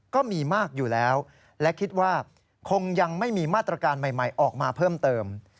ก็มีมากอยู่แล้วและคิดว่าคงยังไม่มีมาตรการใหม่ออกมาเพิ่มเติม